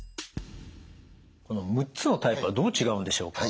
この６つのタイプはどう違うんでしょうか？